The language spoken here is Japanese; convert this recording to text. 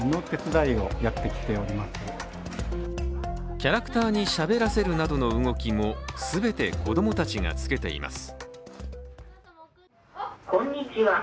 キャラクターにしゃべらせるなどの動きも全て子供たちがつけています。